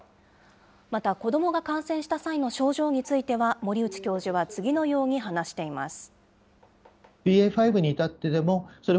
また、子どもが感染した際の症状については、森内教授は次のように話しています。